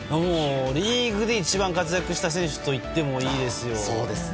リーグで一番活躍した選手といってもいいですよね。